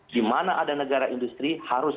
di mana ada negara industri harus